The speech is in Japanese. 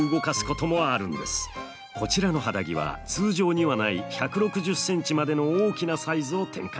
こちらの肌着は通常にはない１６０センチまでの大きなサイズを展開。